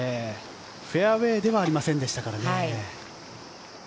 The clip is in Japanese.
フェアウェーではありませんでしたからね。